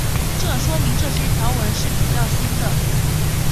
这说明这些条纹是比较新的。